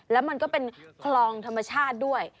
แล้วมันก็เป็นคลองธรรมชาติด้วย